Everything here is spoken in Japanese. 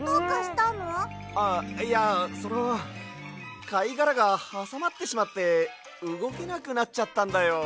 あっいやそのかいがらがはさまってしまってうごけなくなっちゃったんだよ。